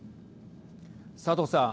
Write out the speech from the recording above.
佐藤さん。